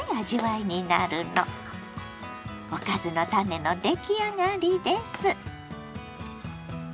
おかずのタネの出来上がりです。